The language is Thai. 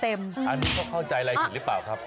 อันนี้เขาเข้าใจอะไรผิดหรือเปล่าครับ